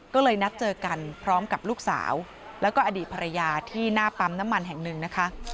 ก็เลยนัดเจอกันพร้อมกับลูกสาวแล้วก็อดีตภรรยาที่หน้าปั๊มน้ำมันแห่งหนึ่งนะคะ